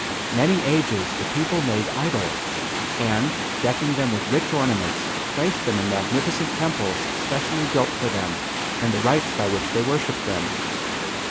"Many ages the people made idols, and, decking them with rich ornaments, placed them in magnificent temples specially built for them and the rites by which they worshipped them.